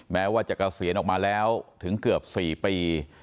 แม้ว่าจะเกษียณออกมาแล้วถึงเกือบ๔ปี